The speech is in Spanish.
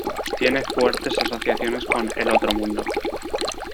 Tiene fuertes asociaciones con el Otro Mundo.